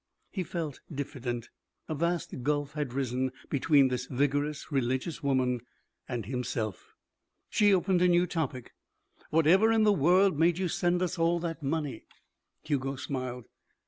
He felt diffident. A vast gulf had risen between this vigorous, religious woman and himself. She opened a new topic. "Whatever in the world made you send us all that money?" Hugo smiled.